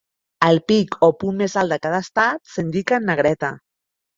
El pic o punt més alt de cada estat s'indica en negreta.